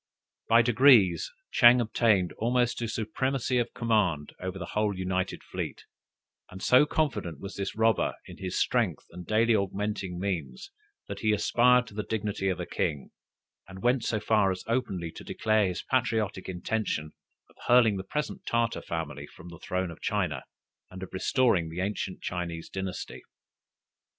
By degrees, Ching obtained almost a supremacy of command over the whole united fleet; and so confident was this robber in his strength and daily augmenting means, that he aspired to the dignity of a king, and went so far as openly to declare his patriotic intention of hurling the present Tartar family from the throne of China, and of restoring the ancient Chinese dynasty.